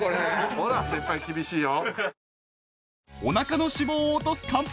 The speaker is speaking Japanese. ほら先輩厳しいよ。